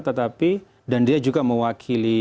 tetapi dan dia juga mewakili